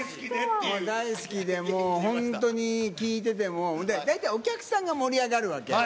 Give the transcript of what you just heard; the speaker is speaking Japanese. い大好きで、もう本当に聴いてても、で、ほんで、大体お客さんが盛り上がるわけ。